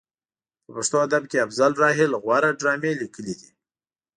په پښتو ادب کې افضل راحل غوره ډرامې لیکلې دي.